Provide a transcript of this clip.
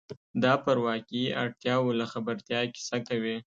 دا پر واقعي اړتیاوو له خبرتیا کیسه کوي.